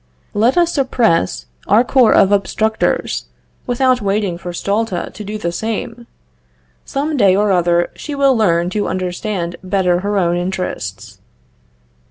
Let us suppress our corps of Obstructors, without waiting for Stulta to do the same. Some day or other she will learn to understand better her own interests."